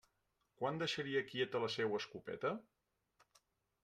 Quan deixaria quieta la seua escopeta?